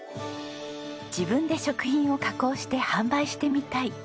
自分で食品を加工して販売してみたい。